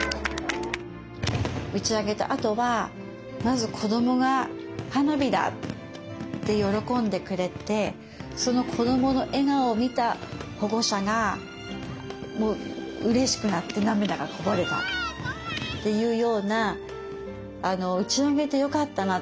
打ち上げたあとはまず子供が「花火だ」って喜んでくれてその子供の笑顔を見た保護者がもううれしくなって涙がこぼれたっていうような打ち上げてよかったな。